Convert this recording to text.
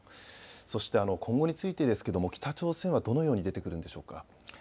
そして今後についてですけれども北朝鮮はどのように出てくるんでしょうか。